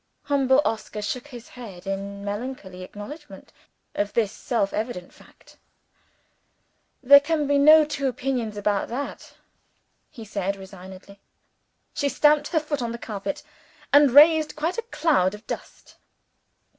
Humble Oscar shook his head in melancholy acknowledgment of this self evident fact. "There can be no two opinions about that," he said resignedly. She stamped her foot on the carpet and raised quite a little cloud of dust.